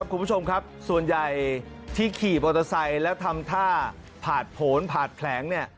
ครับคุณผู้ชมครับส่วนใหญ่ที่ขี่ออร์ตอไซด์และทำท่าผาดผลผาดแผลงเนี่ย